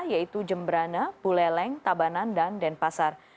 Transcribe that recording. yaitu jemberana puleleng tabanan dan denpasar